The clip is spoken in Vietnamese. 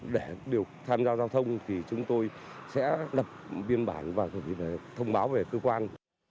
để đều tham gia giao thông thì chúng tôi sẽ đập biên bản và thông báo về cơ quan